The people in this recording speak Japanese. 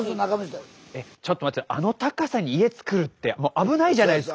ちょっと待ってあの高さに家造るってもう危ないじゃないですか。